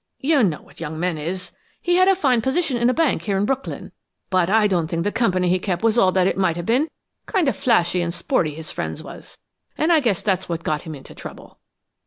You know what young men is! He had a fine position in a bank here in Brooklyn, but I don't think the company he kep' was all that it might have been. Kind of flashy and sporty, his friends was, and I guess that's what got him into trouble.